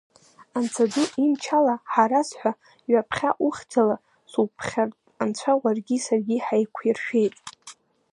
Анцәа ду имчала, Ҳараз ҳәа ҩаԥхьа ухьӡала суԥхьартә анцәа уаргьы саргьы ҳаиқәиршәеит.